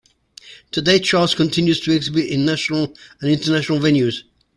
Today, Charles continues to exhibit in national and international venues.